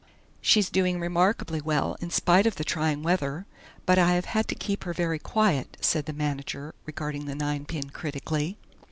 "She's doing remarkably well in spite of the trying weather, but I have had to keep her very quiet," said the manager, regarding the ninepin critically.